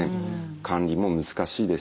管理も難しいです。